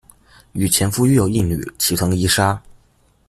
与前夫育有一女齐藤依纱。